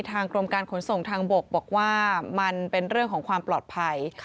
กรมการขนส่งทางบกบอกว่ามันเป็นเรื่องของความปลอดภัย